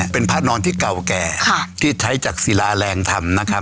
เป็นพระนอนที่เก่าแก่ที่ใช้จากศิลาแรงธรรมนะครับ